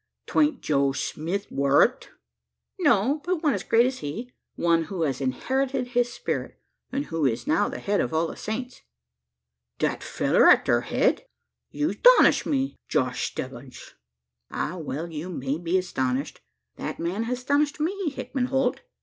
'Twan't Joe Smith, wur it?" "No; but one as great as he one who has inherited his spirit; and who is now the head of all the Saints." "That feller at thur head? You 'stonish me, Josh Stebbins." "Ah! well you may be astonished. That man has astonished me, Hickman Holt.